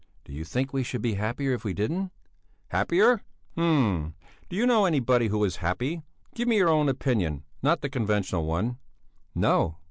"Do you think we should be happier if we didn't?" "Happier? Hm! Do you know anybody who is happy? Give me your own opinion, not the conventional one." "No!"